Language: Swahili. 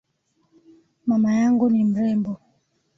Mama yangu ni mrembo.